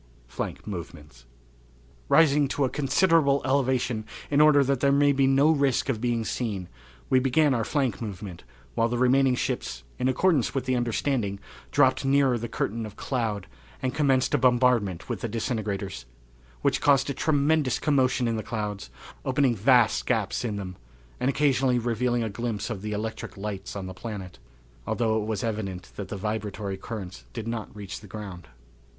Flank Movements. Rising to a considerable elevation in order that there might be no risk of being seen, we began our flank movement while the remaining ships, in accordance with the understanding, dropped nearer the curtain of cloud and commenced a bombardment with the disintegrators, which caused a tremendous commotion in the clouds, opening vast gaps in them, and occasionally revealing a glimpse of the electric lights on the planet, although it was evident that the vibratory currents did not reach the ground.